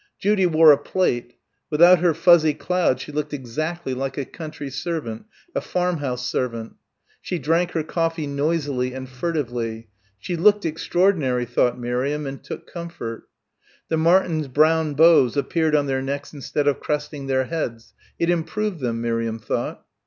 Judy wore a plait. Without her fuzzy cloud she looked exactly like a country servant, a farmhouse servant. She drank her coffee noisily and furtively she looked extraordinary, thought Miriam, and took comfort. The Martins' brown bows appeared on their necks instead of cresting their heads it improved them, Miriam thought.